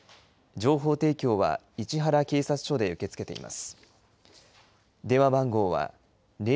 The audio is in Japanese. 情報提供は市原警察署で受け付けています。